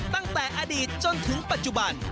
ตั้งแต่อดีตจนถึงปัจจุบัน